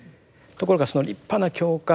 ところが立派な教会